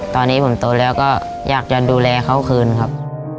ตอนนี้ผมโตแล้วก็อยากจะดูแลเขาคืนครับ